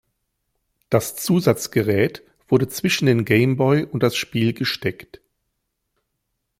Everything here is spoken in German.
Das Zusatzgerät wurde zwischen den Game Boy und das Spiel gesteckt.